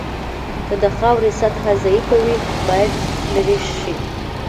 که د خاورې سطحه ضعیفه وي باید لرې شي